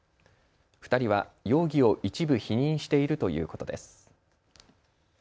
２人は容疑を一部否認しているということです。